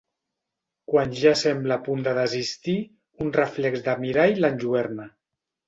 Quan ja sembla a punt de desistir, un reflex de mirall l'enlluerna.